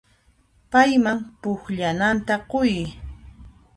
Payman pukllananta quy.